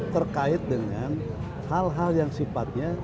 terkait dengan hal hal yang sifatnya